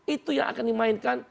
itu yang akan dimainkan